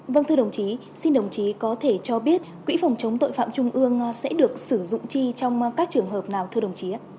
vâng thưa đồng chí xin đồng chí có thể cho biết quỹ phòng chống tội phạm trung ương sẽ được sử dụng chi trong các trường hợp nào thưa đồng chí ạ